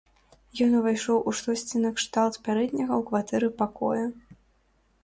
Ён увайшоў у штосьці накшталт пярэдняга ў кватэры пакоя.